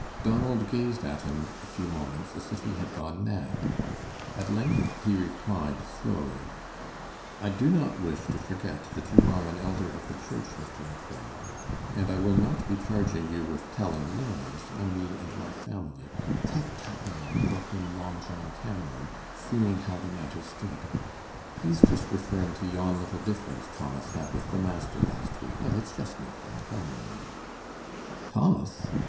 Donald gazed at him a few moments as if he had gone mad. At length he replied, slowly, "I do not wish to forget that you are an elder of the church, Mr. McRae, and I will not be charging you with telling lies on me and my family " "Tut, tut, man," broke in Long John Cameron, seeing how the matter stood; "he's just referring to yon little difference Thomas had with the master last week. But it's just nothing. Come away in." "Thomas?"